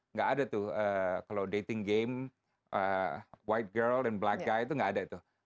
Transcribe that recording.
nggak ada tuh kalau dating game white girl dan black guy itu nggak ada tuh